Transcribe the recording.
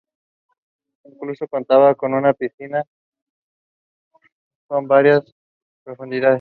Incluso contaban con una piscina con varias profundidades.